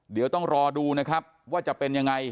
เดี๋ยวต้องรอดูนะครับว่าจะเป็นยังไง